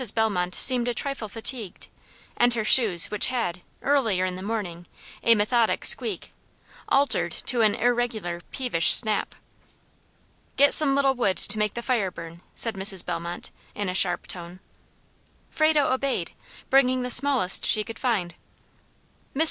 Bellmont seemed a trifle fatigued, and her shoes which had, early in the morning, a methodic squeak, altered to an irregular, peevish snap. "Get some little wood to make the fire burn," said Mrs. Bellmont, in a sharp tone. Frado obeyed, bringing the smallest she could find. Mrs.